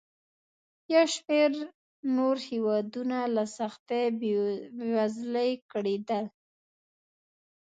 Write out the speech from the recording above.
یو شمېر نور هېوادونه له سختې بېوزلۍ کړېدل.